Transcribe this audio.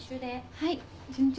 はい。